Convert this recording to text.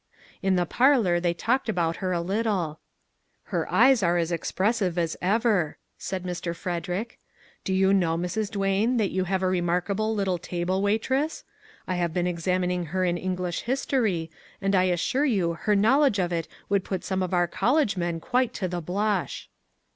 In the parlor they talked about her a little. " Her eyes are as expressive as ever," said Mr. Frederick. " Do you know, Mrs. Duane, that you have a remarkable little table waitress? I have been examining her in Eng lish history, and I assure you her knowledge of it would put some of our college men quite to the blush."